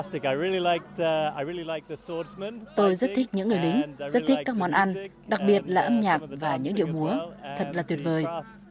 tôi rất thích những người lính rất thích các món ăn đặc biệt là âm nhạc và những điệu múa thật là tuyệt vời